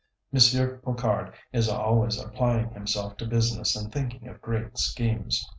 Monsieur Pocard is always applying himself to business and thinking of great schemes.